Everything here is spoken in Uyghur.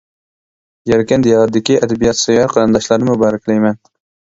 يەركەن دىيارىدىكى ئەدەبىيات سۆيەر قېرىنداشلارنى مۇبارەكلەيمەن.